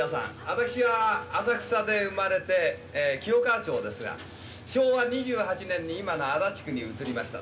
私は浅草で生まれて清川町ですが昭和２８年に今の足立区に移りました。